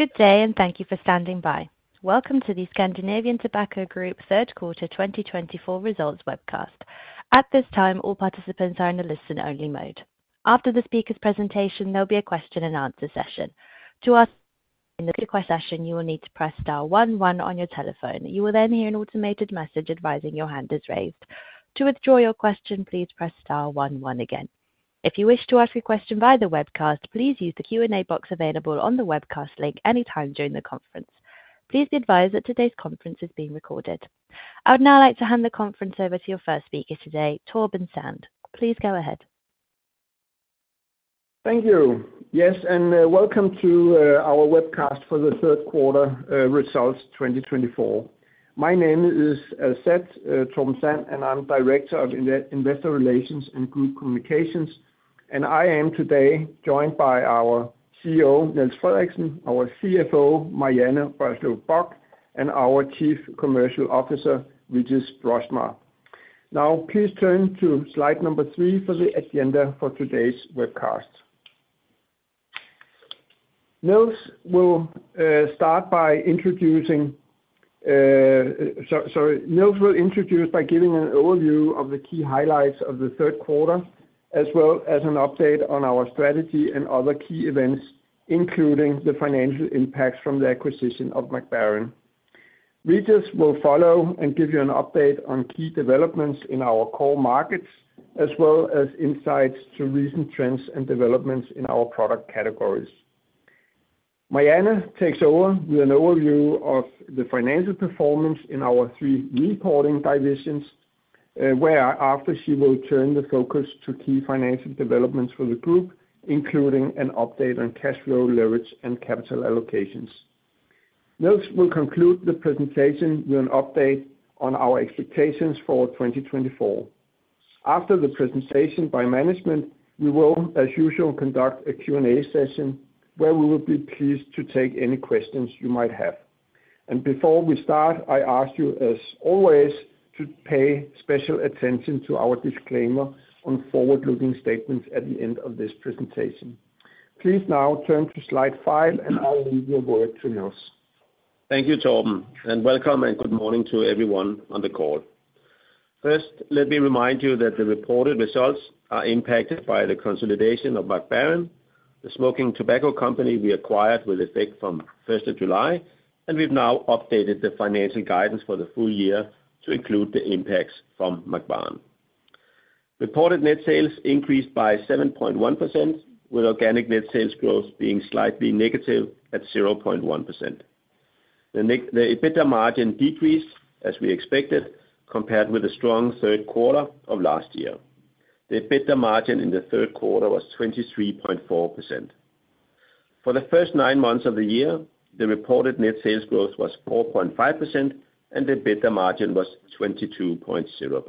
Good day, and thank you for standing by. Welcome to the Scandinavian Tobacco Group Third Quarter 2024 Results Webcast. At this time, all participants are in a listen-only mode. After the speaker's presentation, there'll be a question-and-answer session. To ask a question, you will need to press star one one on your telephone. You will then hear an automated message advising your hand is raised. To withdraw your question, please press star one one again. If you wish to ask a question via the webcast, please use the Q&A box available on the webcast link anytime during the conference. Please be advised that today's conference is being recorded. I would now like to hand the conference over to your first speaker today, Torben Sand. Please go ahead. Thank you. Yes, and welcome to our webcast for the third quarter results 2024. My name is, as said, Torben Sand, and I'm Director of Investor Relations and Group Communications, and I am today joined by our CEO, Niels Frederiksen, our CFO, Marianne Bock, and our Chief Commercial Officer, Regis Broersma. Now, please turn to slide number three for the agenda for today's webcast. Niels will start by introducing, sorry, Niels will introduce by giving an overview of the key highlights of the third quarter, as well as an update on our strategy and other key events, including the financial impacts from the acquisition of Mac Baren. Regis will follow and give you an update on key developments in our core markets, as well as insights to recent trends and developments in our product categories. Marianne takes over with an overview of the financial performance in our three reporting divisions, whereafter she will turn the focus to key financial developments for the group, including an update on cash flow, leverage, and capital allocations. Niels will conclude the presentation with an update on our expectations for 2024. After the presentation by management, we will, as usual, conduct a Q&A session where we will be pleased to take any questions you might have. Before we start, I ask you, as always, to pay special attention to our disclaimer on forward-looking statements at the end of this presentation. Please now turn to slide five, and I'll leave the word to Niels. Thank you, Torben, and welcome and good morning to everyone on the call. First, let me remind you that the reported results are impacted by the consolidation of Mac Baren, the smoking tobacco company we acquired with effect from 1st of July, and we've now updated the financial guidance for the full year to include the impacts from Mac Baren. Reported net sales increased by 7.1%, with organic net sales growth being slightly negative at 0.1%. The EBITDA margin decreased, as we expected, compared with the strong third quarter of last year. The EBITDA margin in the third quarter was 23.4%. For the first nine months of the year, the reported net sales growth was 4.5%, and the EBITDA margin was 22.0%.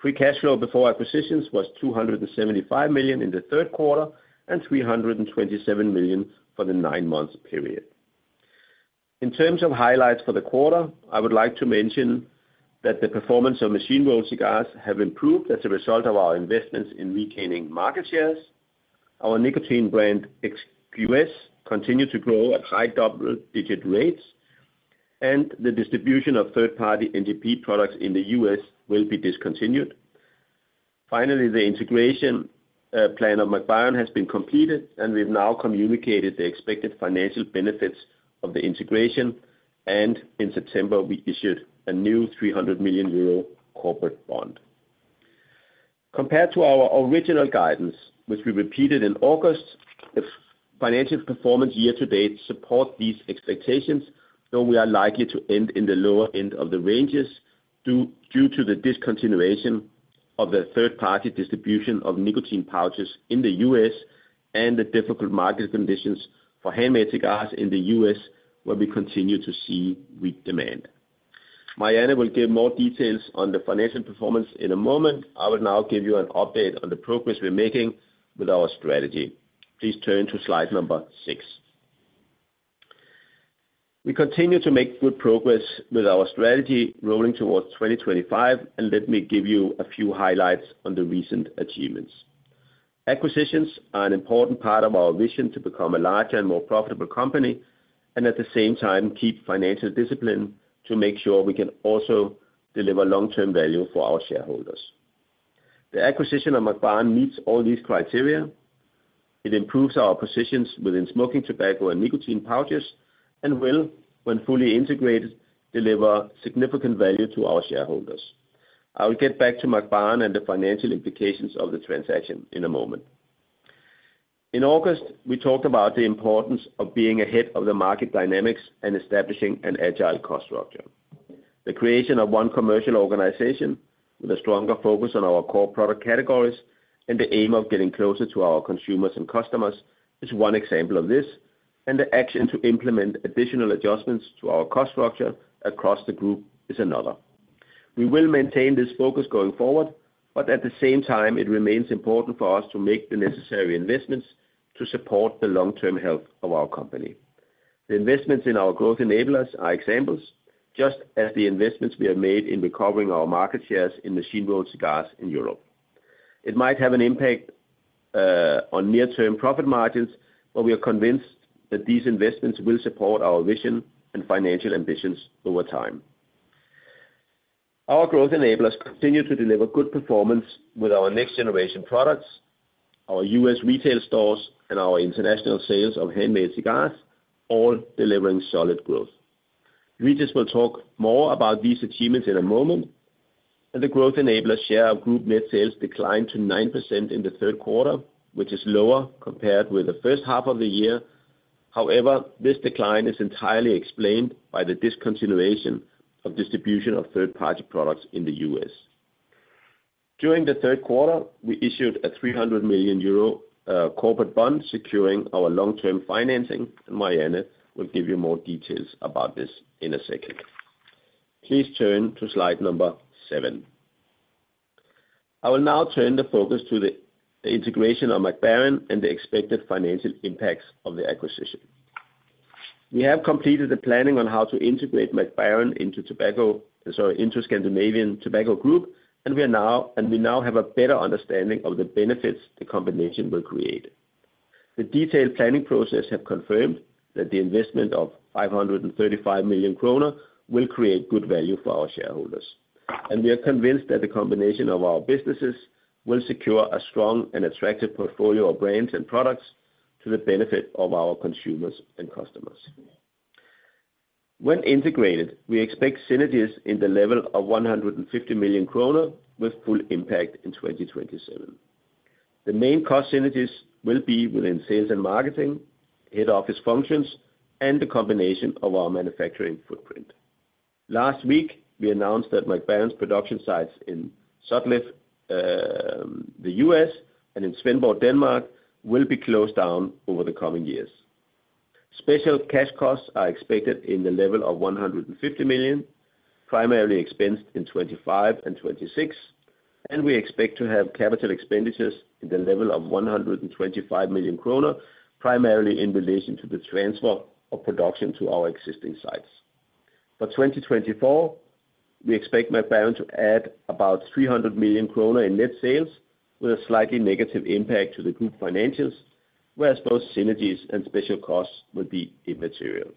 Free cash flow before acquisitions was 275 million in the third quarter and 327 million for the nine-month period. In terms of highlights for the quarter, I would like to mention that the performance of machine-rolled cigars has improved as a result of our investments in retaining market shares. Our nicotine brand, XQS, continued to grow at high double-digit rates, and the distribution of third-party NGP products in the U.S. will be discontinued. Finally, the integration plan of Mac Baren has been completed, and we've now communicated the expected financial benefits of the integration. And in September, we issued a new 300 million euro corporate bond. Compared to our original guidance, which we repeated in August, the financial performance year-to-date supports these expectations, though we are likely to end in the lower end of the ranges due to the discontinuation of the third-party distribution of nicotine pouches in the U.S. and the difficult market conditions for handmade cigars in the U.S., where we continue to see weak demand. Marianne will give more details on the financial performance in a moment. I will now give you an update on the progress we're making with our strategy. Please turn to slide number six. We continue to make good progress with our strategy rolling towards 2025, and let me give you a few highlights on the recent achievements. Acquisitions are an important part of our vision to become a larger and more profitable company and, at the same time, keep financial discipline to make sure we can also deliver long-term value for our shareholders. The acquisition of Mac Baren meets all these criteria. It improves our positions within smoking tobacco and nicotine pouches and will, when fully integrated, deliver significant value to our shareholders. I will get back to Mac Baren and the financial implications of the transaction in a moment. In August, we talked about the importance of being ahead of the market dynamics and establishing an agile cost structure. The creation of one commercial organization with a stronger focus on our core product categories and the aim of getting closer to our consumers and customers is one example of this, and the action to implement additional adjustments to our cost structure across the group is another. We will maintain this focus going forward, but at the same time, it remains important for us to make the necessary investments to support the long-term health of our company. The investments in our growth enablers are examples, just as the investments we have made in recovering our market shares in machine-rolled cigars in Europe. It might have an impact on near-term profit margins, but we are convinced that these investments will support our vision and financial ambitions over time. Our growth enablers continue to deliver good performance with our next-generation products, our U.S. retail stores, and our international sales of handmade cigars, all delivering solid growth. Regis will talk more about these achievements in a moment. And the growth enablers share of group net sales declined to 9% in the third quarter, which is lower compared with the first half of the year. However, this decline is entirely explained by the discontinuation of distribution of third-party products in the U.S. During the third quarter, we issued a 300 million euro corporate bond securing our long-term financing, and Marianne will give you more details about this in a second. Please turn to slide number seven. I will now turn the focus to the integration of Mac Baren and the expected financial impacts of the acquisition. We have completed the planning on how to integrate Mac Baren into Scandinavian Tobacco Group, and we now have a better understanding of the benefits the combination will create. The detailed planning process has confirmed that the investment of 535 million kroner will create good value for our shareholders. We are convinced that the combination of our businesses will secure a strong and attractive portfolio of brands and products to the benefit of our consumers and customers. When integrated, we expect synergies in the level of 150 million kroner with full impact in 2027. The main cost synergies will be within sales and marketing, head office functions, and the combination of our manufacturing footprint. Last week, we announced that Mac Baren's production sites in Sutliff, the U.S., and in Svendborg, Denmark, will be closed down over the coming years. Special cash costs are expected in the level of 150 million, primarily expensed in 2025 and 2026, and we expect to have capital expenditures in the level of 125 million kroner, primarily in relation to the transfer of production to our existing sites. For 2024, we expect Mac Baren to add about 300 million kroner in net sales, with a slightly negative impact to the group financials, whereas both synergies and special costs will be immaterial.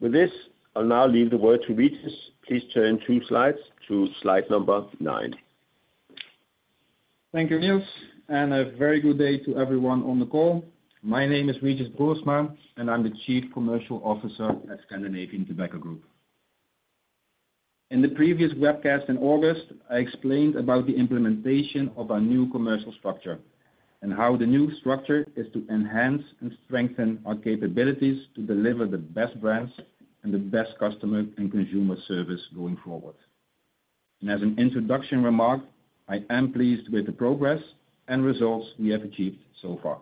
With this, I'll now leave the word to Regis. Please turn two slides to slide number nine. Thank you, Niels, and a very good day to everyone on the call. My name is Regis Broersma, and I'm the Chief Commercial Officer at Scandinavian Tobacco Group. In the previous webcast in August, I explained about the implementation of our new commercial structure and how the new structure is to enhance and strengthen our capabilities to deliver the best brands and the best customer and consumer service going forward, and as an introduction remark, I am pleased with the progress and results we have achieved so far,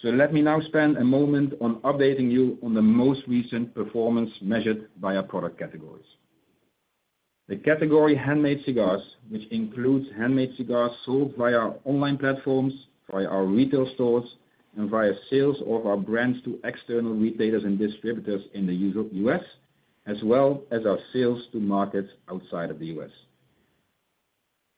so let me now spend a moment on updating you on the most recent performance measured via product categories. The category handmade cigars, which includes handmade cigars sold via online platforms, via our retail stores, and via sales of our brands to external retailers and distributors in the U.S., as well as our sales to markets outside of the U.S.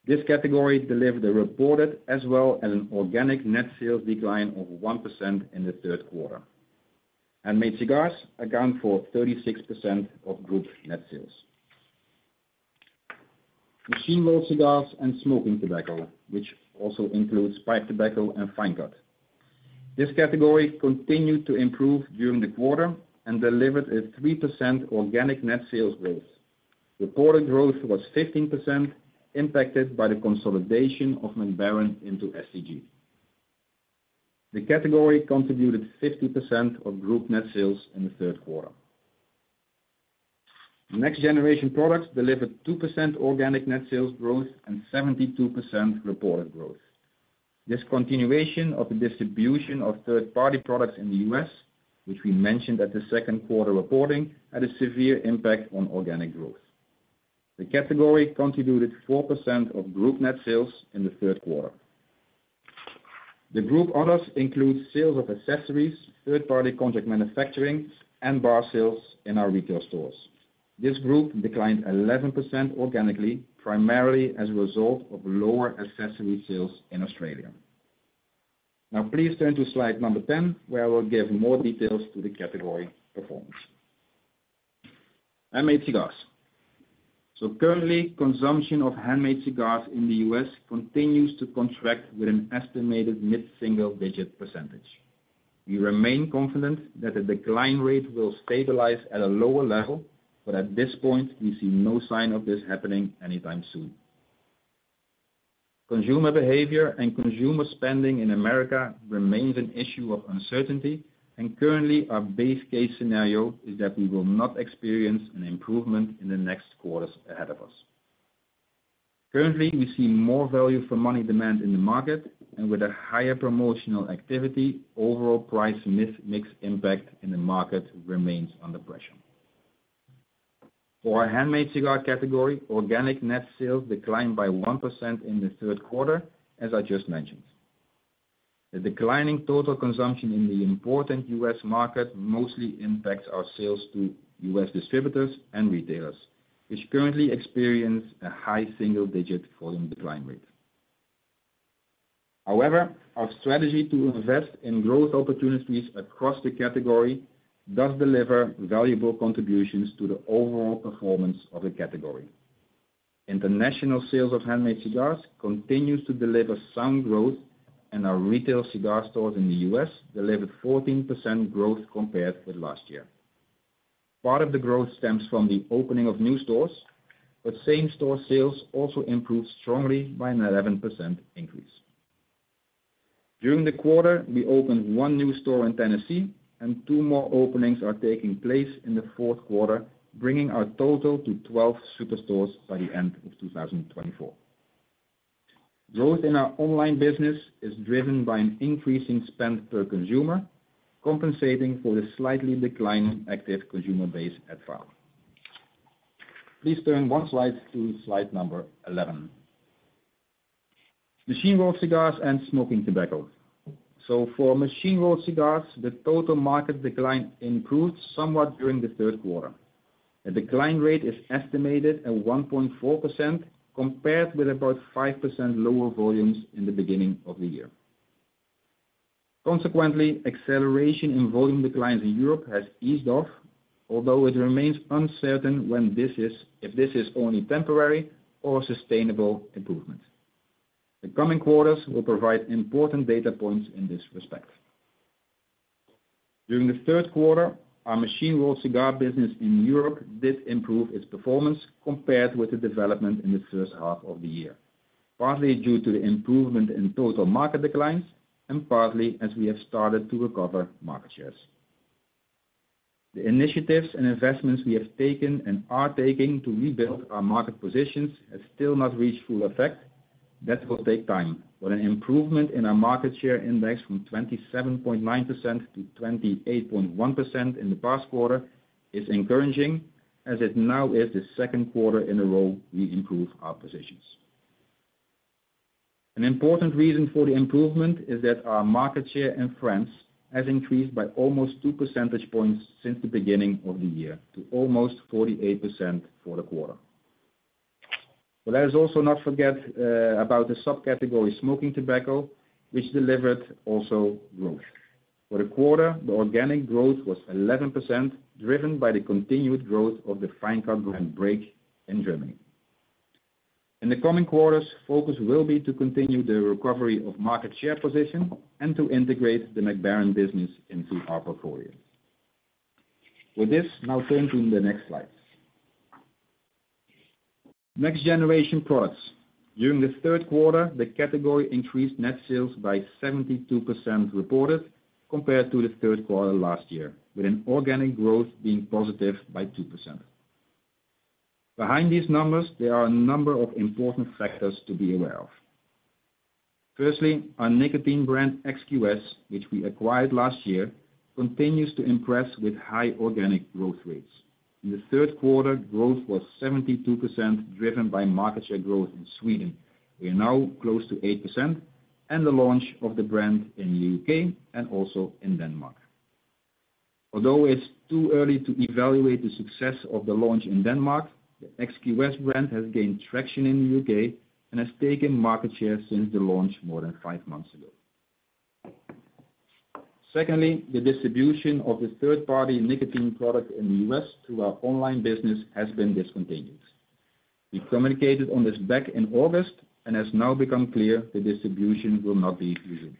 This category delivered a reported as well as an organic net sales decline of 1% in the third quarter. Handmade cigars account for 36% of group net sales. Machine-rolled cigars and smoking tobacco, which also includes pipe tobacco and fine cut. This category continued to improve during the quarter and delivered a 3% organic net sales growth. Reported growth was 15%, impacted by the consolidation of Mac Baren into STG. The category contributed 50% of group net sales in the third quarter. Next-generation products delivered 2% organic net sales growth and 72% reported growth. Discontinuation of the distribution of third-party products in the U.S., which we mentioned at the second quarter reporting, had a severe impact on organic growth. The category contributed 4% of group net sales in the third quarter. The group others include sales of accessories, third-party contract manufacturing, and bar sales in our retail stores. This group declined 11% organically, primarily as a result of lower accessory sales in Australia. Now, please turn to slide number 10, where I will give more details to the category performance. Handmade cigars. So currently, consumption of handmade cigars in the U.S. continues to contract with an estimated mid-single-digit %. We remain confident that the decline rate will stabilize at a lower level, but at this point, we see no sign of this happening anytime soon. Consumer behavior and consumer spending in America remains an issue of uncertainty, and currently, our base case scenario is that we will not experience an improvement in the next quarters ahead of us. Currently, we see more value for money demand in the market, and with a higher promotional activity, overall price mix impact in the market remains under pressure. For our handmade cigar category, organic net sales declined by 1% in the third quarter, as I just mentioned. The declining total consumption in the important U.S. market mostly impacts our sales to U.S. distributors and retailers, which currently experience a high single-digit volume decline rate. However, our strategy to invest in growth opportunities across the category does deliver valuable contributions to the overall performance of the category. International sales of handmade cigars continues to deliver sound growth, and our retail cigar stores in the U.S. delivered 14% growth compared with last year. Part of the growth stems from the opening of new stores, but same-store sales also improved strongly by an 11% increase. During the quarter, we opened one new store in Tennessee, and two more openings are taking place in the fourth quarter, bringing our total to 12 superstores by the end of 2024. Growth in our online business is driven by an increasing spend per consumer, compensating for the slightly declining active consumer base at file. Please turn one slide to slide number 11. Machine-rolled cigars and smoking tobacco. So for machine-rolled cigars, the total market decline improved somewhat during the third quarter. The decline rate is estimated at 1.4% compared with about 5% lower volumes in the beginning of the year. Consequently, acceleration in volume declines in Europe has eased off, although it remains uncertain if this is only temporary or sustainable improvement. The coming quarters will provide important data points in this respect. During the third quarter, our machine-rolled cigar business in Europe did improve its performance compared with the development in the first half of the year, partly due to the improvement in total market declines and partly as we have started to recover market shares. The initiatives and investments we have taken and are taking to rebuild our market positions have still not reached full effect. That will take time, but an improvement in our market share index from 27.9% to 28.1% in the past quarter is encouraging, as it now is the second quarter in a row we improve our positions. An important reason for the improvement is that our market share in France has increased by almost 2 percentage points since the beginning of the year to almost 48% for the quarter. But let us also not forget about the subcategory smoking tobacco, which delivered also growth. For the quarter, the organic growth was 11%, driven by the continued growth of the fine cut and brand in Germany. In the coming quarters, focus will be to continue the recovery of market share position and to integrate the Mac Baren business into our portfolio. With this, now turn to the next slide. Next-generation products. During the third quarter, the category increased net sales by 72% reported compared to the third quarter last year, with an organic growth being positive by 2%. Behind these numbers, there are a number of important factors to be aware of. Firstly, our nicotine brand XQS, which we acquired last year, continues to impress with high organic growth rates. In the third quarter, growth was 72%, driven by market share growth in Sweden, where now close to 8%, and the launch of the brand in the U.K. and also in Denmark. Although it's too early to evaluate the success of the launch in Denmark, the XQS brand has gained traction in the U.K. and has taken market share since the launch more than five months ago. Secondly, the distribution of the third-party nicotine product in the U.S. to our online business has been discontinued. We communicated on this back in August, and has now become clear the distribution will not be resumed.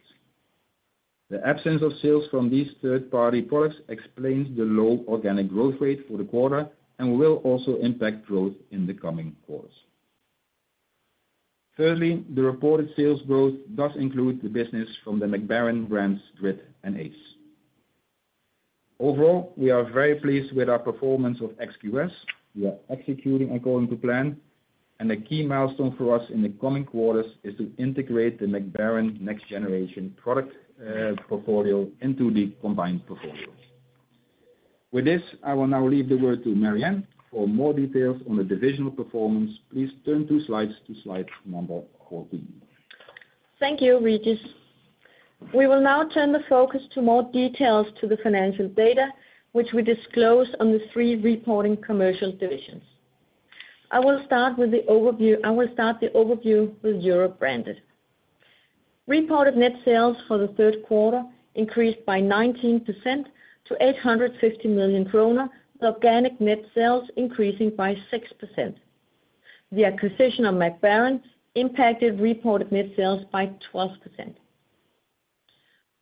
The absence of sales from these third-party products explains the low organic growth rate for the quarter and will also impact growth in the coming quarters. Thirdly, the reported sales growth does include the business from the Mac Baren brands Gritt and Ace. Overall, we are very pleased with our performance of XQS. We are executing according to plan, and a key milestone for us in the coming quarters is to integrate the Mac Baren next-generation product portfolio into the combined portfolio. With this, I will now leave the word to Marianne for more details on the divisional performance. Please turn two slides to slide number 14. Thank you, Regis. We will now turn the focus to more details to the financial data, which we disclosed on the three reporting commercial divisions. I will start with the overview. I will start the overview with Europe Branded. Reported net sales for the third quarter increased by 19% to 850 million kroner, with organic net sales increasing by 6%. The acquisition of Mac Baren impacted reported net sales by 12%.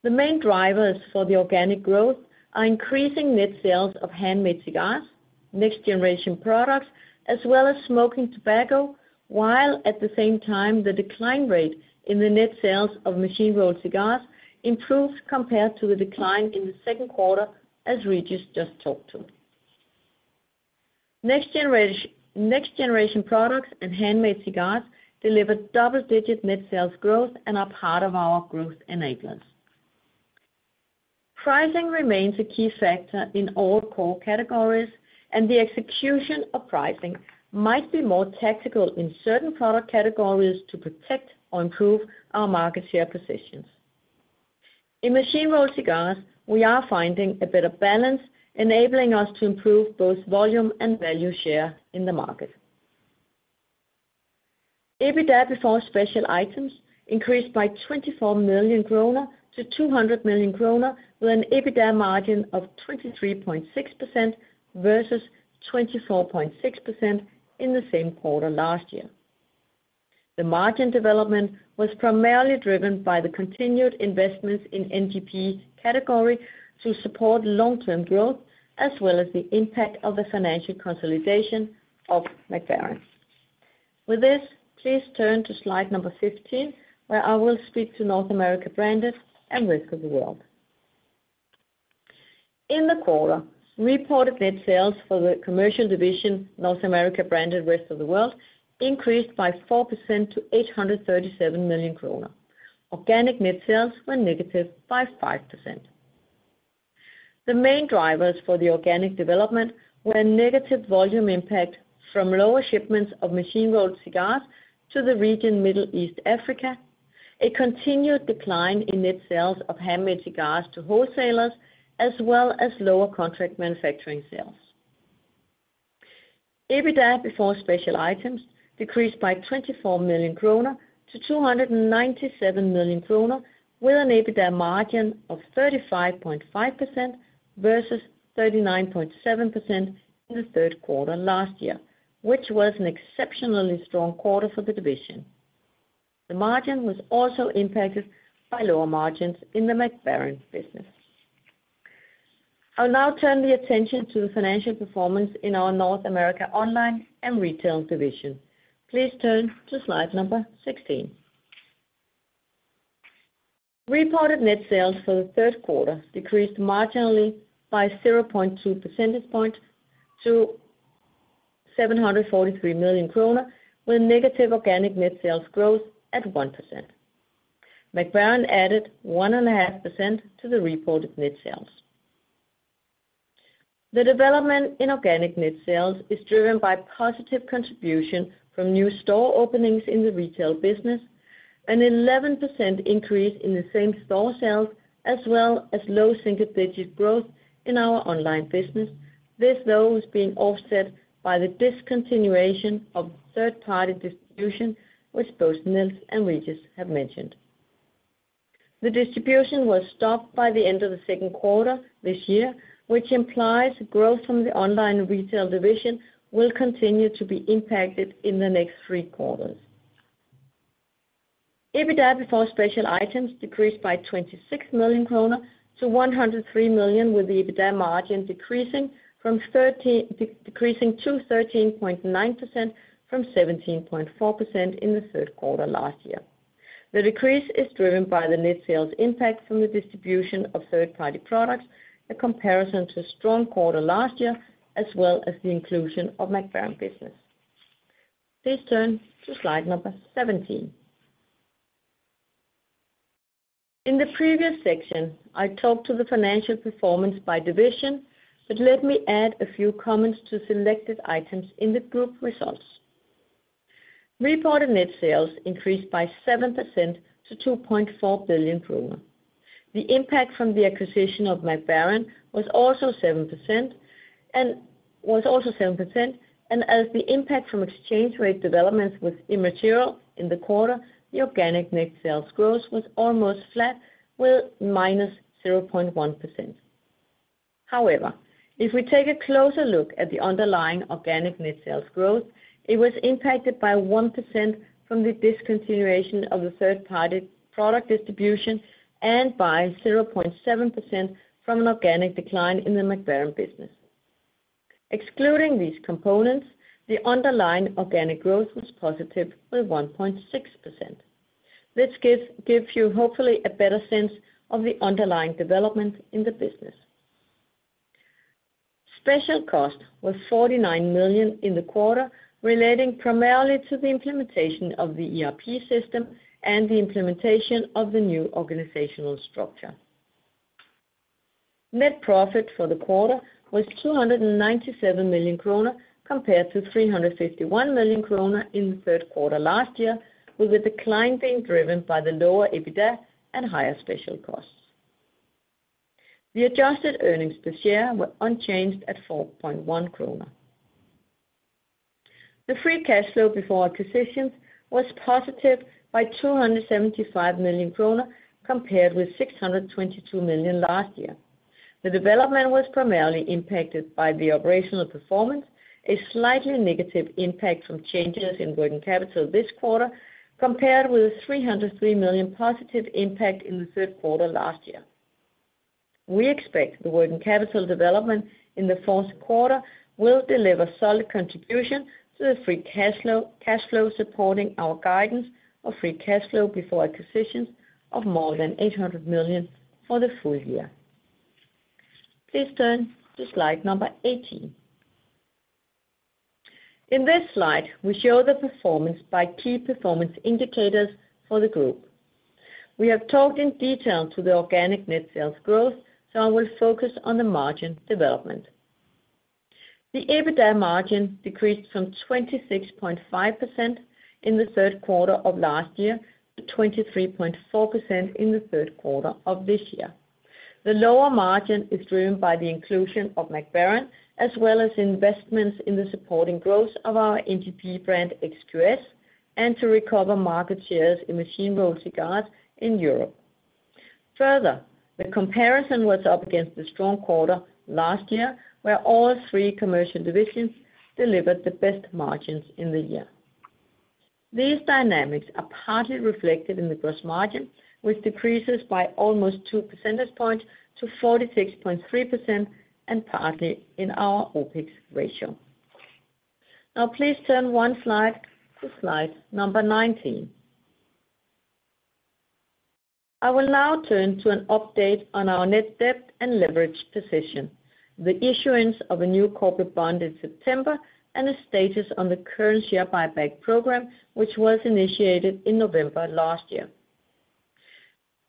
The main drivers for the organic growth are increasing net sales of handmade cigars, next-generation products, as well as smoking tobacco, while at the same time, the decline rate in the net sales of machine-rolled cigars improved compared to the decline in the second quarter, as Regis just talked to. Next-generation products and handmade cigars deliver double-digit net sales growth and are part of our growth enablers. Pricing remains a key factor in all core categories, and the execution of pricing might be more tactical in certain product categories to protect or improve our market share positions. In machine-rolled cigars, we are finding a better balance, enabling us to improve both volume and value share in the market. EBITDA before special items increased by 24 million kroner to 200 million kroner, with an EBITDA margin of 23.6% versus 24.6% in the same quarter last year. The margin development was primarily driven by the continued investments in NGP category to support long-term growth, as well as the impact of the financial consolidation of Mac Baren. With this, please turn to slide number 15, where I will speak to North America branded and rest of the world. In the quarter, reported net sales for the Commercial division, North America Branded & Rest of the World, increased by 4% to 837 million kroner. Organic net sales were negative by 5%. The main drivers for the organic development were negative volume impact from lower shipments of machine rolled cigars to the region, Middle East, Africa, a continued decline in net sales of handmade cigars to wholesalers, as well as lower contract manufacturing sales. EBITDA before special items decreased by 24 million kroner to 297 million kroner, with an EBITDA margin of 35.5% versus 39.7% in the third quarter last year, which was an exceptionally strong quarter for the division. The margin was also impacted by lower margins in the Mac Baren business. I will now turn the attention to the financial performance in our North America Online & Retail division. Please turn to slide number 16. Reported net sales for the third quarter decreased marginally by 0.2 percentage points to 743 million kroner, with negative organic net sales growth at 1%. Mac Baren added 1.5% to the reported net sales. The development in organic net sales is driven by positive contribution from new store openings in the retail business, an 11% increase in the same store sales, as well as low single-digit growth in our online business. This, though, is being offset by the discontinuation of third-party distribution, which both Niels and Regis have mentioned. The distribution was stopped by the end of the second quarter this year, which implies growth from the online retail division will continue to be impacted in the next three quarters. EBITDA before special items decreased by 26 million kroner to 103 million, with the EBITDA margin decreasing to 13.9% from 17.4% in the third quarter last year. The decrease is driven by the net sales impact from the distribution of third-party products, a comparison to a strong quarter last year, as well as the inclusion of Mac Baren business. Please turn to slide number 17. In the previous section, I talked to the financial performance by division, but let me add a few comments to selected items in the group results. Reported net sales increased by 7% to 2.4 billion kroner. The impact from the acquisition of Mac Baren was also 7%, and as the impact from exchange rate developments was immaterial in the quarter, the organic net sales growth was almost flat, with minus 0.1%. However, if we take a closer look at the underlying organic net sales growth, it was impacted by 1% from the discontinuation of the third-party product distribution and by 0.7% from an organic decline in the Mac Baren business. Excluding these components, the underlying organic growth was positive with 1.6%. This gives you hopefully a better sense of the underlying development in the business. Special cost was 49 million in the quarter, relating primarily to the implementation of the ERP system and the implementation of the new organizational structure. Net profit for the quarter was 297 million kroner compared to 351 million kroner in the third quarter last year, with the decline being driven by the lower EBITDA and higher special costs. The adjusted earnings per share were unchanged at 4.1 kroner. The free cash flow before acquisitions was positive by 275 million kroner compared with 622 million last year. The development was primarily impacted by the operational performance, a slightly negative impact from changes in working capital this quarter, compared with a 303 million positive impact in the third quarter last year. We expect the working capital development in the fourth quarter will deliver solid contribution to the free cash flow supporting our guidance of free cash flow before acquisitions of more than 800 million for the full year. Please turn to slide number 18. In this slide, we show the performance by key performance indicators for the group. We have talked in detail to the organic net sales growth, so I will focus on the margin development. The EBITDA margin decreased from 26.5% in the third quarter of last year to 23.4% in the third quarter of this year. The lower margin is driven by the inclusion of Mac Baren, as well as investments in the supporting growth of our NGP brand XQS and to recover market shares in machine-rolled cigars in Europe. Further, the comparison was up against the strong quarter last year, where all three commercial divisions delivered the best margins in the year. These dynamics are partly reflected in the gross margin, which decreases by almost 2 percentage points to 46.3% and partly in our OpEx ratio. Now, please turn one slide to slide number 19. I will now turn to an update on our net debt and leverage position, the issuance of a new corporate bond in September, and the status on the current share buyback program, which was initiated in November last year.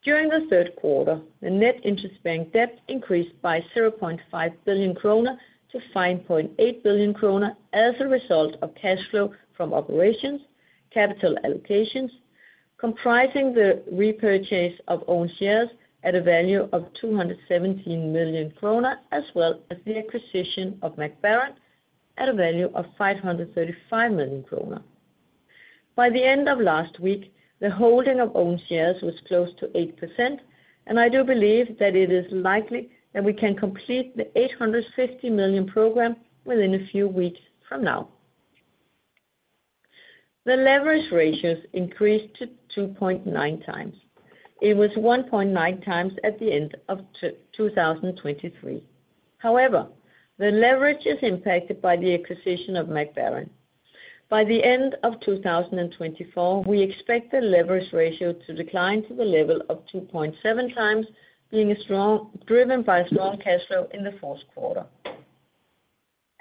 During the third quarter, the net interest-bearing debt increased by 0.5 billion kroner to 5.8 billion kroner as a result of cash flow from operations, capital allocations, comprising the repurchase of own shares at a value of 217 million kroner, as well as the acquisition of Mac Baren at a value of 535 million kroner. By the end of last week, the holding of own shares was close to 8%, and I do believe that it is likely that we can complete the 850 million program within a few weeks from now. The leverage ratios increased to 2.9 times. It was 1.9 times at the end of 2023. However, the leverage is impacted by the acquisition of Mac Baren. By the end of 2024, we expect the leverage ratio to decline to the level of 2.7 times, being driven by strong cash flow in the fourth quarter.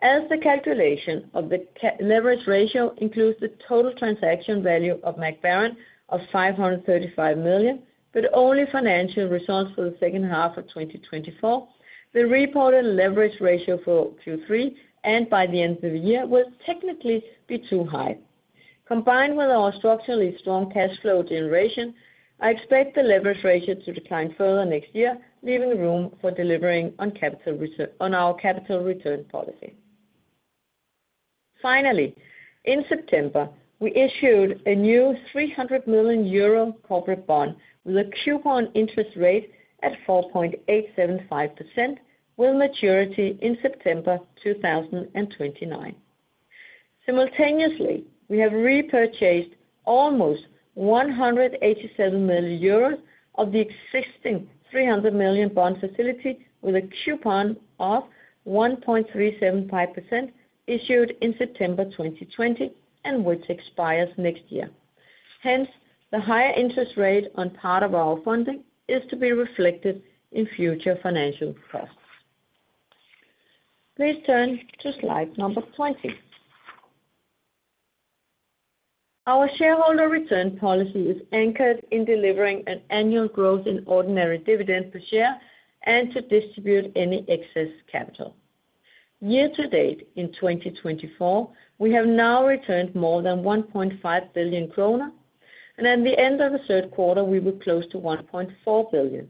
As the calculation of the leverage ratio includes the total transaction value of Mac Baren of 535 million, but only financial results for the second half of 2024, the reported leverage ratio for Q3 and by the end of the year will technically be too high. Combined with our structurally strong cash flow generation, I expect the leverage ratio to decline further next year, leaving room for delivering on our capital return policy. Finally, in September, we issued a new 300 million euro corporate bond with a coupon interest rate at 4.875% with maturity in September 2029. Simultaneously, we have repurchased almost 187 million euros of the existing 300 million bond facility with a coupon of 1.375% issued in September 2020, and which expires next year. Hence, the higher interest rate on part of our funding is to be reflected in future financial costs. Please turn to Slide 20. Our shareholder return policy is anchored in delivering an annual growth in ordinary dividend per share and to distribute any excess capital. Year to date in 2024, we have now returned more than 1.5 billion kroner, and at the end of the third quarter, we were close to 1.4 billion.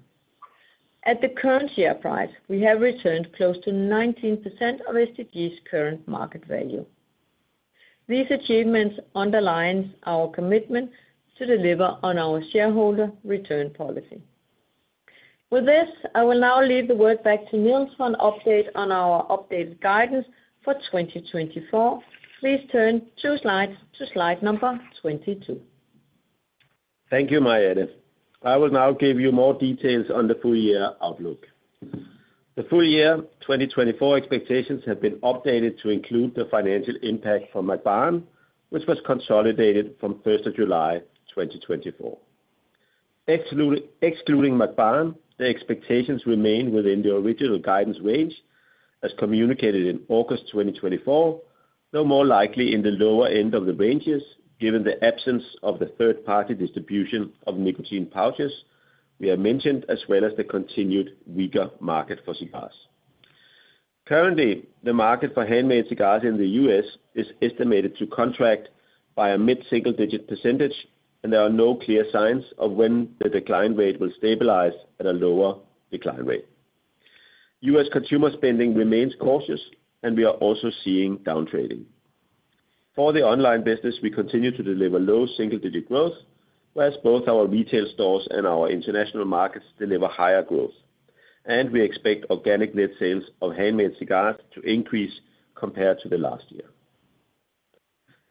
At the current share price, we have returned close to 19% of SDG's current market value. These achievements underline our commitment to deliver on our shareholder return policy. With this, I will now leave the word back to Niels for an update on our updated guidance for 2024. Please turn two slides to slide number 22. Thank you, Marianne. I will now give you more details on the full year outlook. The full year 2024 expectations have been updated to include the financial impact from Mac Baren, which was consolidated from 1st of July 2024. Excluding Mac Baren, the expectations remain within the original guidance range, as communicated in August 2024, though more likely in the lower end of the ranges, given the absence of the third-party distribution of nicotine pouches we have mentioned, as well as the continued weaker market for cigars. Currently, the market for handmade cigars in the U.S. is estimated to contract by a mid-single-digit %, and there are no clear signs of when the decline rate will stabilize at a lower decline rate. U.S. consumer spending remains cautious, and we are also seeing downtrading. For the online business, we continue to deliver low single-digit growth, whereas both our retail stores and our international markets deliver higher growth, and we expect organic net sales of handmade cigars to increase compared to last year.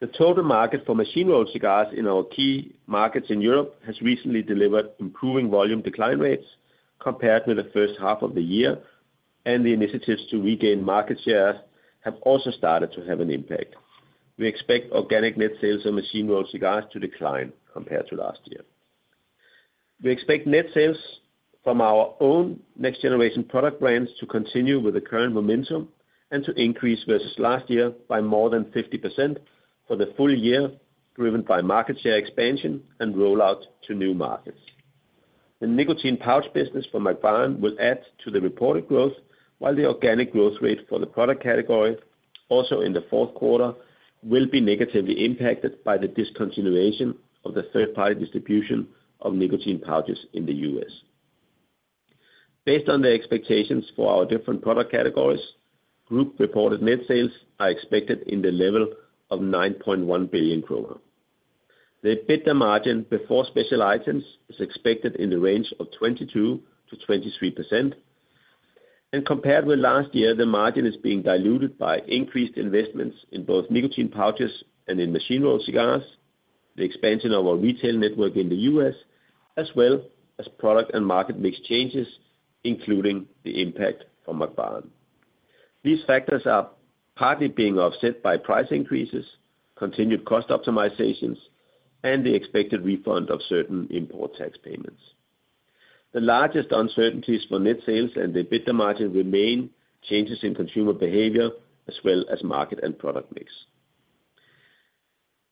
The total market for machine rolled cigars in our key markets in Europe has recently delivered improving volume decline rates compared with the first half of the year, and the initiatives to regain market shares have also started to have an impact. We expect organic net sales of machine rolled cigars to decline compared to last year. We expect net sales from our own next generation product brands to continue with the current momentum and to increase versus last year by more than 50% for the full year, driven by market share expansion and rollout to new markets. The nicotine pouch business for Mac Baren will add to the reported growth, while the organic growth rate for the product category, also in the fourth quarter, will be negatively impacted by the discontinuation of the third-party distribution of nicotine pouches in the U.S. Based on the expectations for our different product categories, group reported net sales are expected in the level of 9.1 billion kroner. The EBITDA margin before special items is expected in the range of 22%-23%, and compared with last year, the margin is being diluted by increased investments in both nicotine pouches and in machine-rolled cigars, the expansion of our retail network in the U.S., as well as product and market mix changes, including the impact from Mac Baren. These factors are partly being offset by price increases, continued cost optimizations, and the expected refund of certain import tax payments. The largest uncertainties for net sales and EBITDA margin remain changes in consumer behavior, as well as market and product mix.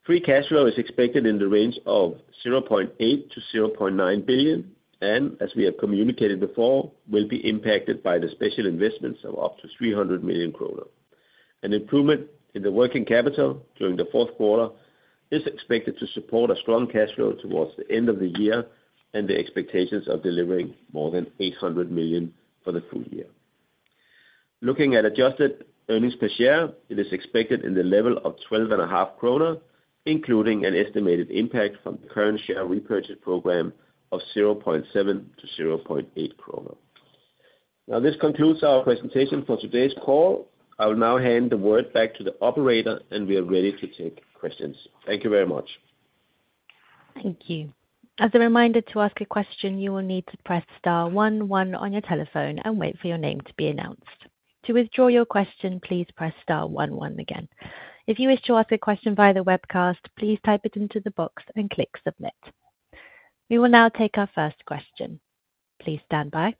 Free cash flow is expected in the range of 0.8 billion-0.9 billion, and as we have communicated before, will be impacted by the special investments of up to 300 million kroner. An improvement in the working capital during the fourth quarter is expected to support a strong cash flow towards the end of the year and the expectations of delivering more than 800 million for the full year. Looking at adjusted earnings per share, it is expected in the level of 12.5 kroner, including an estimated impact from the current share repurchase program of 0.7-0.8 kroner. Now, this concludes our presentation for today's call. I will now hand the word back to the operator, and we are ready to take questions. Thank you very much. Thank you. As a reminder to ask a question, you will need to press star one one on your telephone and wait for your name to be announced. To withdraw your question, please press star one one again. If you wish to ask a question via the webcast, please type it into the box and click submit. We will now take our first question. Please stand by,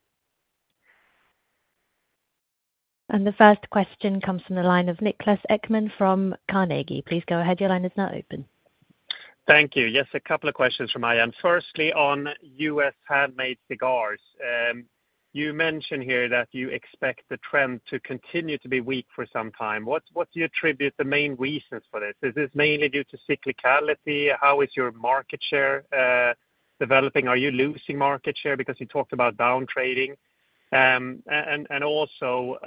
and the first question comes from the line of Niklas Ekman from Carnegie. Please go ahead. Your line is now open. Thank you. Yes, a couple of questions for Marianne. Firstly, on U.S. handmade cigars, you mentioned here that you expect the trend to continue to be weak for some time. What do you attribute the main reasons for this? Is this mainly due to cyclicality? How is your market share developing? Are you losing market share because you talked about downtrading? Also,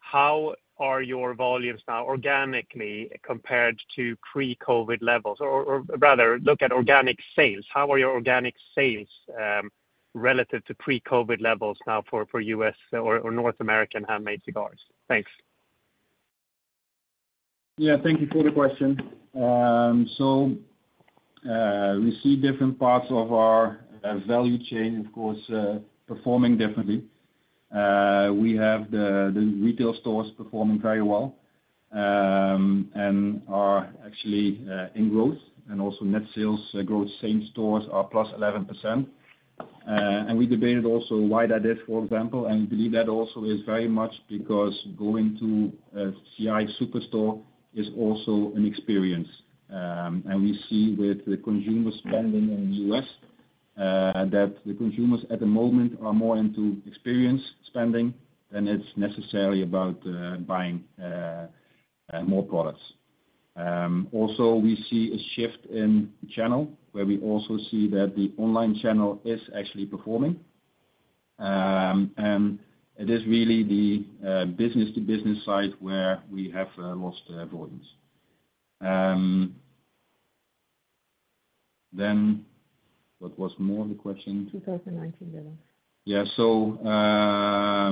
how are your volumes now organically compared to pre-COVID levels? Or rather, look at organic sales. How are your organic sales relative to pre-COVID levels now for U.S. or North American handmade cigars? Thanks. Yeah, thank you for the question. We see different parts of our value chain, of course, performing differently. We have the retail stores performing very well and are actually in growth, and also net sales growth. Same stores are plus 11%. We debated also why that is, for example, and we believe that also is very much because going to a CI superstore is also an experience. We see with the consumer spending in the U.S. that the consumers at the moment are more into experience spending than it's necessarily about buying more products. Also, we see a shift in channel where we also see that the online channel is actually performing. And it is really the business-to-business side where we have lost volumes. Then, what was more of the question? 2019 levels. Yeah, so I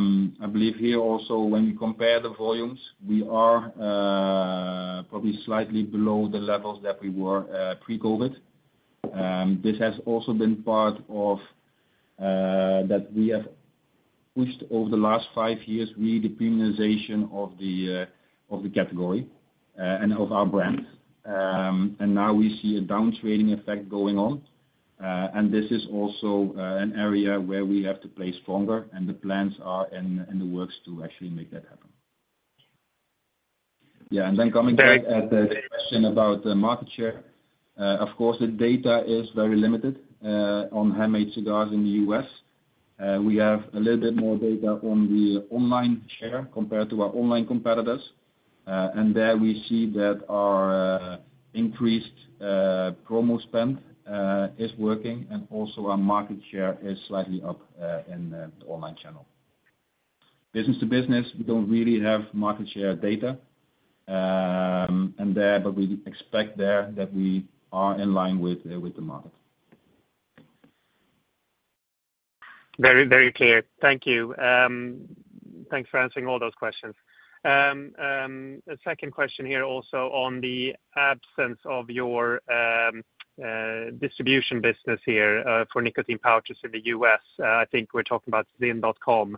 believe here also when we compare the volumes, we are probably slightly below the levels that we were pre-COVID. This has also been part of that we have pushed over the last five years, really the premiumization of the category and of our brand. And now we see a downtrading effect going on, and this is also an area where we have to play stronger, and the plans are in the works to actually make that happen. Yeah, and then coming back at the question about the market share, of course, the data is very limited on handmade cigars in the U.S. We have a little bit more data on the online share compared to our online competitors, and there we see that our increased promo spend is working, and also our market share is slightly up in the online channel. Business-to-business, we don't really have market share data there, but we expect there that we are in line with the market. Very, very clear. Thank you. Thanks for answering all those questions. A second question here also on the absence of your distribution business here for nicotine pouches in the U.S. I think we're talking about ZYN.com.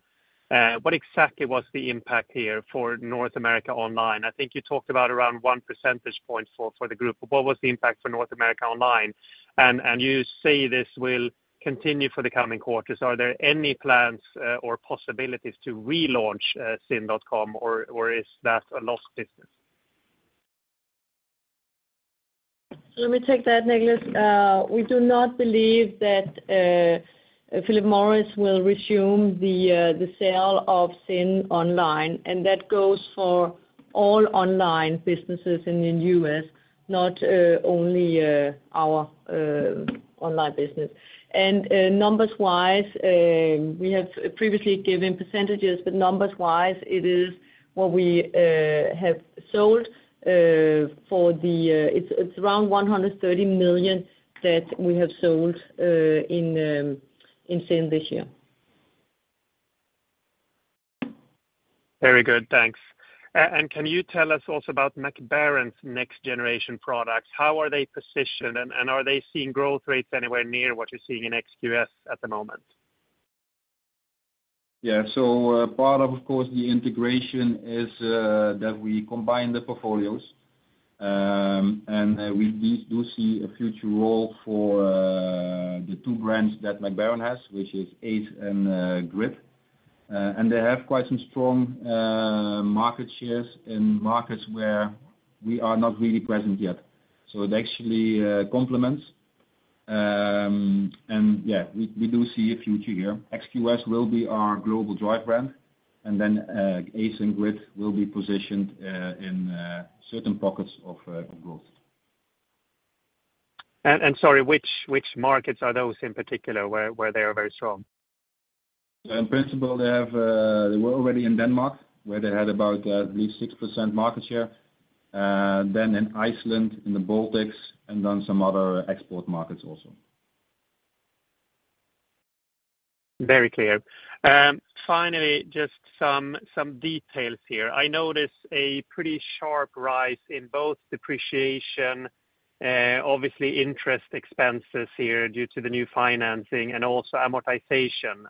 What exactly was the impact here for North America online? I think you talked about around one percentage point for the group. What was the impact for North America online? And you say this will continue for the coming quarters. Are there any plans or possibilities to relaunch ZYN.com, or is that a lost business? Let me take that, Niklas. We do not believe that Philip Morris will resume the sale of ZYN online, and that goes for all online businesses in the U.S., not only our online business. Numbers-wise, we have previously given percentages, but numbers-wise, it is what we have sold; it's around 130 million that we have sold in ZYN this year. Very good. Thanks. Can you tell us also about Mac Baren's next generation products? How are they positioned, and are they seeing growth rates anywhere near what you're seeing in XQS at the moment? Yeah, so part of, of course, the integration is that we combine the portfolios, and we do see a future role for the two brands that Mac Baren has, which is Ace and Gritt, and they have quite some strong market shares in markets where we are not really present yet. So it actually complements, and yeah, we do see a future here. XQS will be our global drive brand, and then Ace and Gritt will be positioned in certain pockets of growth. And sorry, which markets are those in particular where they are very strong? In principle, they were already in Denmark, where they had about at least 6% market share, then in Iceland, in the Baltics, and then some other export markets also. Very clear. Finally, just some details here. I notice a pretty sharp rise in both depreciation, obviously interest expenses here due to the new financing and also amortization.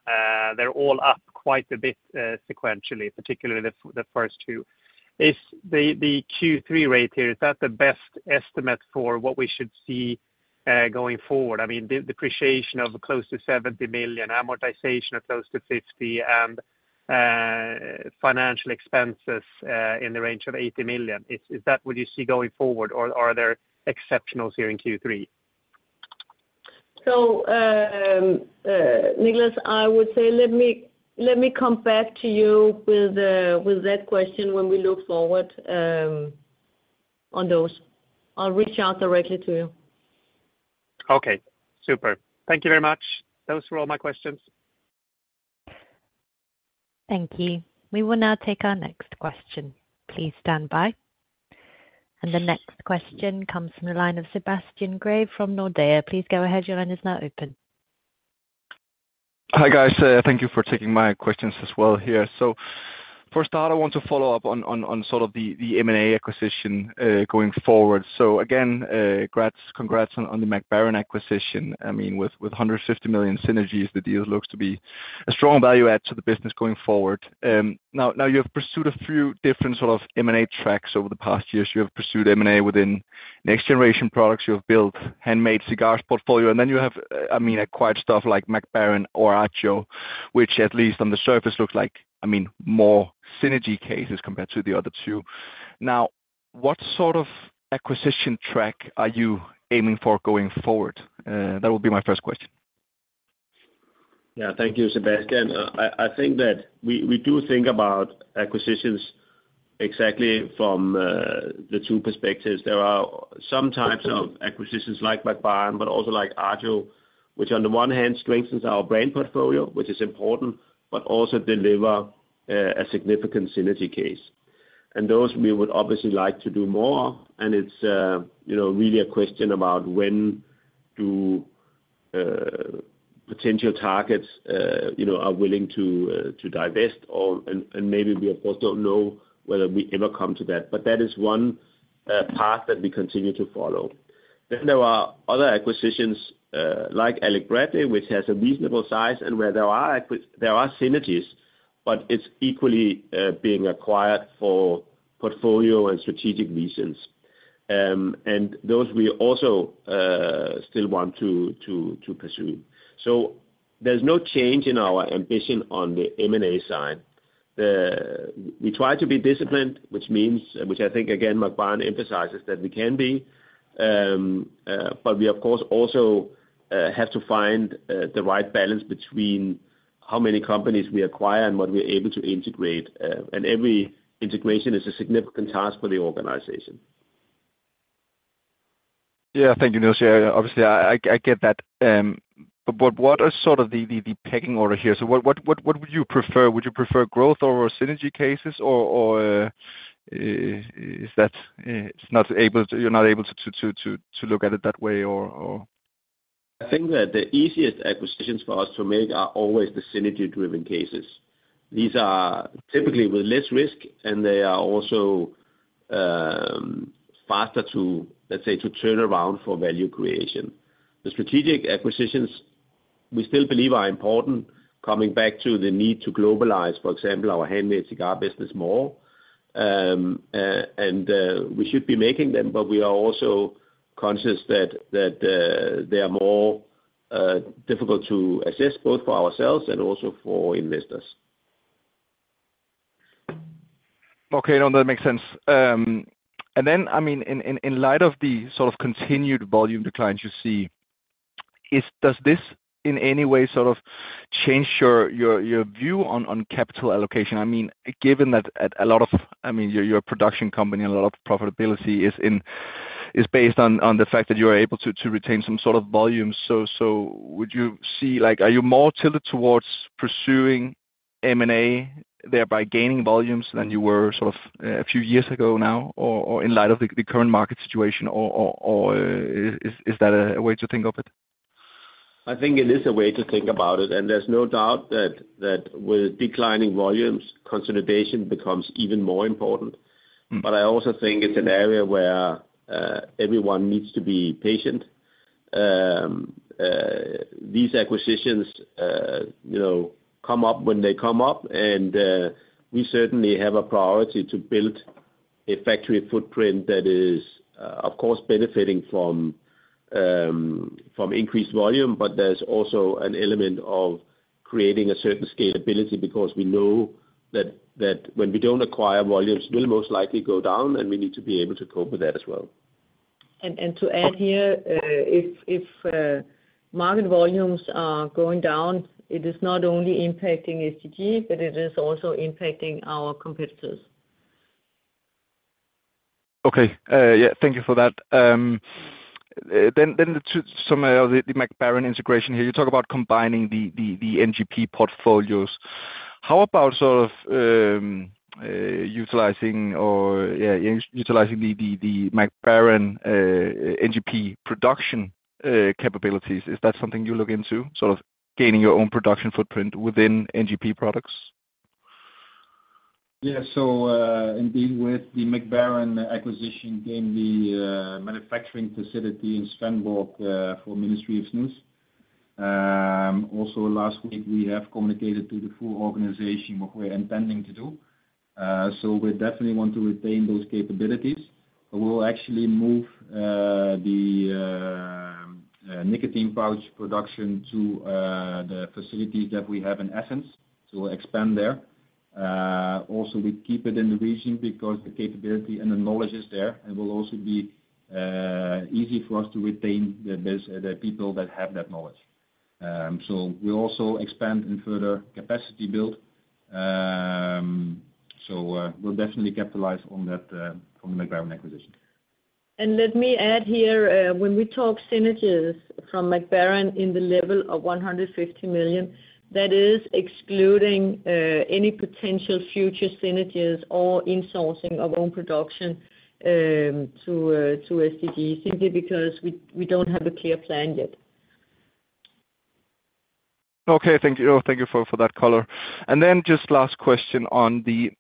They're all up quite a bit sequentially, particularly the first two. Is the Q3 rate here, is that the best estimate for what we should see going forward? I mean, depreciation of close to 70 million, amortization of close to 50 million, and financial expenses in the range of 80 million. Is that what you see going forward, or are there exceptionals here in Q3? So, Niklas, I would say let me come back to you with that question when we look forward on those. I'll reach out directly to you. Okay. Super. Thank you very much. Those were all my questions. Thank you. We will now take our next question. Please stand by. And the next question comes from the line of Sebastian Grave from Nordea. Please go ahead. Your line is now open. Hi, guys. Thank you for taking my questions as well here. So first off, I want to follow up on sort of the M&A acquisition going forward. So again, congrats on the Mac Baren acquisition. I mean, with 150 million synergies, the deal looks to be a strong value add to the business going forward. Now, you have pursued a few different sort of M&A tracks over the past years. You have pursued M&A within next generation products. You have built handmade cigars portfolio, and then you have, I mean, acquired stuff like Mac Baren or Agio, which at least on the surface looks like, I mean, more synergy cases compared to the other two. Now, what sort of acquisition track are you aiming for going forward? That would be my first question. Yeah, thank you, Sebastian. I think that we do think about acquisitions exactly from the two perspectives. There are some types of acquisitions like Mac Baren, but also like Agio, which on the one hand strengthens our brand portfolio, which is important, but also delivers a significant synergy case. And those we would obviously like to do more, and it's really a question about when do potential targets are willing to divest or, and maybe we, of course, don't know whether we ever come to that, but that is one path that we continue to follow. Then there are other acquisitions like Alec Bradley, which has a reasonable size and where there are synergies, but it's equally being acquired for portfolio and strategic reasons. And those we also still want to pursue. So there's no change in our ambition on the M&A side. We try to be disciplined, which I think, again, Mac Baren emphasizes that we can be, but we, of course, also have to find the right balance between how many companies we acquire and what we're able to integrate, and every integration is a significant task for the organization. Yeah, thank you, Niels. Obviously, I get that, but what are sort of the pecking order here, so what would you prefer? Would you prefer growth or synergy cases, or is that you're not able to look at it that way, or? I think that the easiest acquisitions for us to make are always the synergy-driven cases. These are typically with less risk, and they are also faster to, let's say, to turn around for value creation. The strategic acquisitions we still believe are important, coming back to the need to globalize, for example, our handmade cigar business more. And we should be making them, but we are also conscious that they are more difficult to assess both for ourselves and also for investors. Okay. No, that makes sense. And then, I mean, in light of the sort of continued volume declines you see, does this in any way sort of change your view on capital allocation? I mean, given that a lot of, I mean, your production company and a lot of profitability is based on the fact that you are able to retain some sort of volume. So would you see, are you more tilted towards pursuing M&A, thereby gaining volumes, than you were sort of a few years ago now, or in light of the current market situation, or is that a way to think of it? I think it is a way to think about it, and there's no doubt that with declining volumes, consolidation becomes even more important. But I also think it's an area where everyone needs to be patient. These acquisitions come up when they come up, and we certainly have a priority to build a factory footprint that is, of course, benefiting from increased volume, but there's also an element of creating a certain scalability because we know that when we don't acquire volumes, we'll most likely go down, and we need to be able to cope with that as well. And to add here, if market volumes are going down, it is not only impacting STG, but it is also impacting our competitors. Okay. Yeah, thank you for that. Then to some of the Mac Baren integration here, you talk about combining the NGP portfolios. How about sort of utilizing the Mac Baren NGP production capabilities? Is that something you look into, sort of gaining your own production footprint within NGP products? Yeah, so indeed with the Mac Baren acquisition, gained the manufacturing facility in Svendborg for Ministry of Snus. Also, last week, we have communicated to the full organization what we're intending to do. So we definitely want to retain those capabilities, but we'll actually move the nicotine pouch production to the facilities that we have in Assens, so we'll expand there. Also, we keep it in the region because the capability and the knowledge is there, and it will also be easy for us to retain the people that have that knowledge. So we'll also expand and further capacity build. So we'll definitely capitalize on that from the Mac Baren acquisition. And let me add here, when we talk synergies from Mac Baren in the level of 150 million, that is excluding any potential future synergies or insourcing of own production to STG, simply because we don't have a clear plan yet. Okay. Thank you for that color. And then just last question on the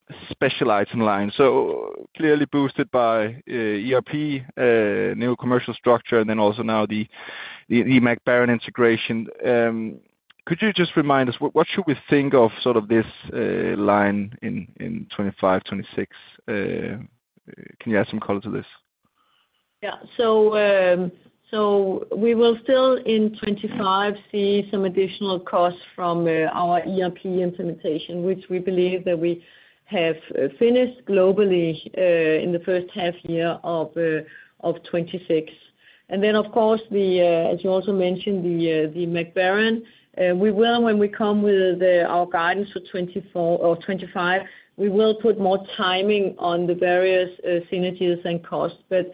smoking line. So clearly boosted by ERP, new commercial structure, and then also now the Mac Baren integration. Could you just remind us, what should we think of sort of this line in 2025, 2026? Can you add some color to this? Yeah. So we will still in 2025 see some additional costs from our ERP implementation, which we believe that we have finished globally in the first half year of 2026. And then, of course, as you also mentioned, the Mac Baren, when we come with our guidance for 2024 or 2025, we will put more timing on the various synergies and costs. But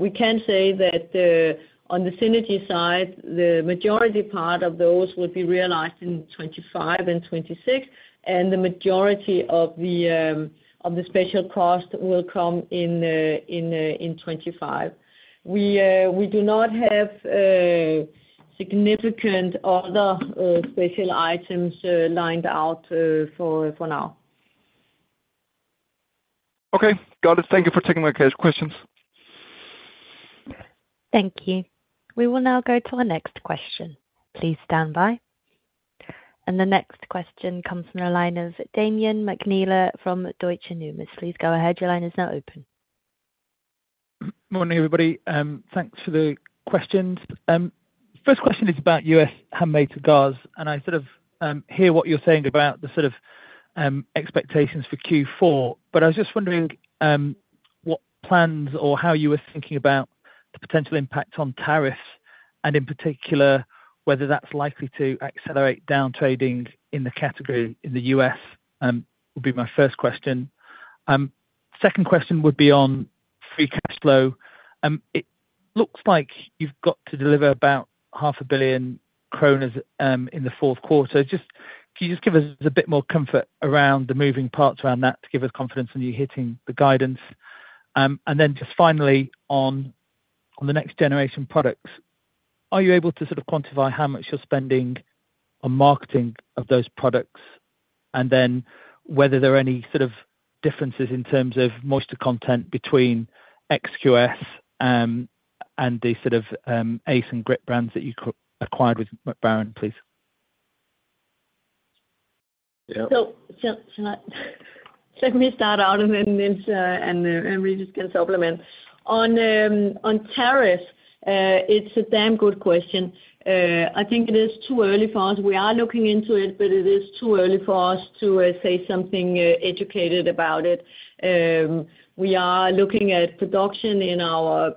we can say that on the synergy side, the majority part of those will be realized in 2025 and 2026, and the majority of the special cost will come in 2025. We do not have significant other special items lined out for now. Okay. Got it. Thank you for taking my questions. Thank you. We will now go to our next question. Please stand by. And the next question comes from the line of Damian McNeela from Deutsche Numis. Please go ahead. Your line is now open. Morning, everybody. Thanks for the questions. First question is about U.S. handmade cigars, and I sort of hear what you're saying about the sort of expectations for Q4, but I was just wondering what plans or how you were thinking about the potential impact on tariffs, and in particular, whether that's likely to accelerate downtrading in the category in the U.S. would be my first question. Second question would be on free cash flow. It looks like you've got to deliver about 500 million kroner in the fourth quarter. Just can you just give us a bit more comfort around the moving parts around that to give us confidence in you hitting the guidance? And then just finally, on the next generation products, are you able to sort of quantify how much you're spending on marketing of those products, and then whether there are any sort of differences in terms of moisture content between XQS and the sort of Ace and Gritt brands that you acquired with Mac Baren, please? Yeah. So let me start out, and then Andrew can supplement. On tariffs, it's a damn good question. I think it is too early for us. We are looking into it, but it is too early for us to say something educated about it. We are looking at production in our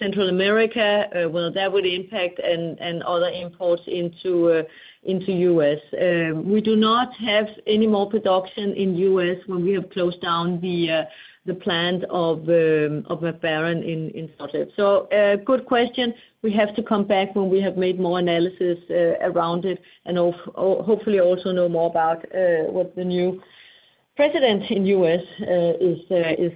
Central America. Well, that would impact other imports into U.S. We do not have any more production in U.S. when we have closed down the plant of Mac Baren in Svendborg. So good question. We have to come back when we have made more analysis around it and hopefully also know more about what the new president in U.S. is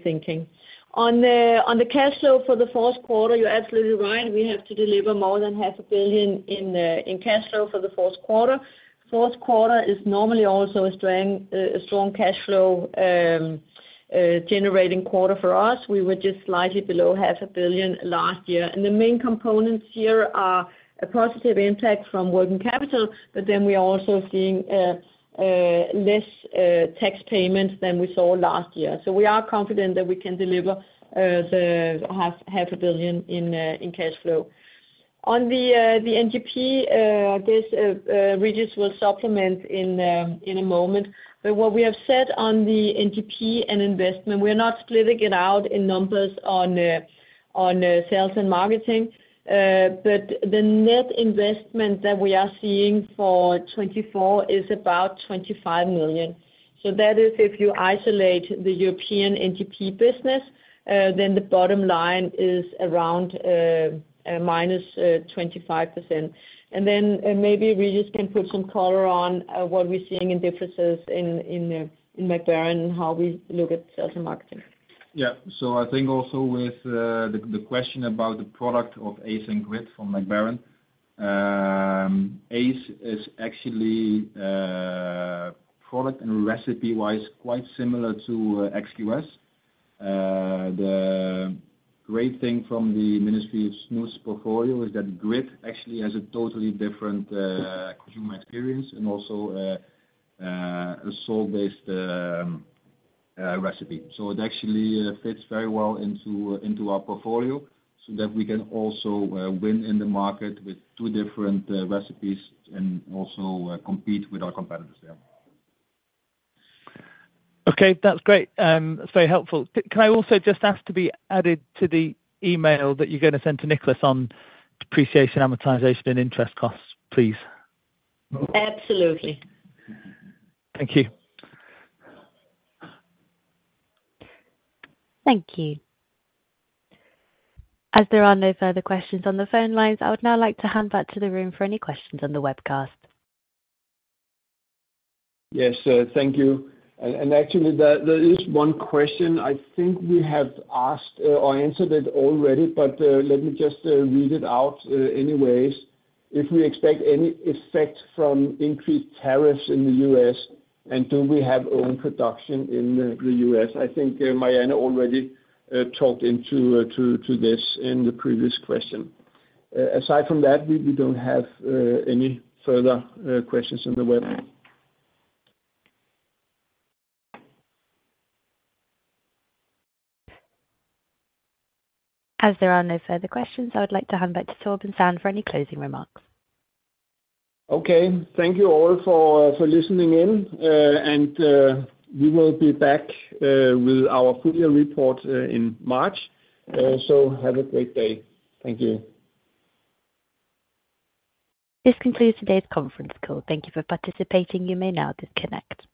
thinking. On the cash flow for the fourth quarter, you're absolutely right. We have to deliver more than 500 million in cash flow for the fourth quarter. Fourth quarter is normally also a strong cash flow-generating quarter for us. We were just slightly below 500 million last year. And the main components here are a positive impact from working capital, but then we are also seeing less tax payments than we saw last year. So we are confident that we can deliver 500 million in cash flow. On the NGP, I guess Regis will supplement in a moment. But what we have said on the NGP and investment, we are not splitting it out in numbers on sales and marketing, but the net investment that we are seeing for 2024 is about 25 million. So that is, if you isolate the European NGP business, then the bottom line is around -25%. And then maybe Regis can put some color on what we're seeing in differences in Mac Baren and how we look at sales and marketing. Yeah. So I think also with the question about the product of Ace and Gritt from Mac Baren, Ace is actually product and recipe-wise quite similar to XQS. The great thing from the Ministry of Snus portfolio is that Gritt actually has a totally different consumer experience and also a salt-based recipe. It actually fits very well into our portfolio so that we can also win in the market with two different recipes and also compete with our competitors there. Okay. That's great. That's very helpful. Can I also just ask to be added to the email that you're going to send to Niklas on depreciation, amortization, and interest costs, please? Absolutely. Thank you. Thank you. As there are no further questions on the phone lines, I would now like to hand back to the room for any questions on the webcast. Yes. Thank you. And actually, there is one question. I think we have asked or answered it already, but let me just read it out anyways. If we expect any effect from increased tariffs in the U.S., and do we have own production in the U.S.? I think Marianne already touched on this in the previous question. Aside from that, we don't have any further questions on the web. As there are no further questions, I would like to hand back to Torben Sand for any closing remarks. Okay. Thank you all for listening in, and we will be back with our full year report in March. So have a great day. Thank you. This concludes today's conference call. Thank you for participating. You may now disconnect.